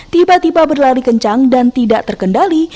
tiba tiba berlari kencang dan tidak terkendali